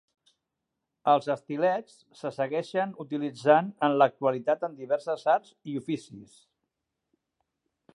Els estilets se segueixen utilitzant en l'actualitat en diverses arts i oficis.